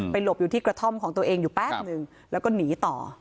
หลบอยู่ที่กระท่อมของตัวเองอยู่แป๊บนึงแล้วก็หนีต่อ